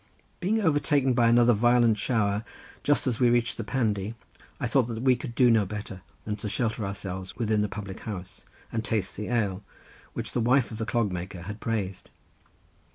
Being overtaken by another violent shower just as we reached the Pandy I thought that we could do no better than shelter ourselves within the public house, and taste the ale, which the wife of the clog maker had praised.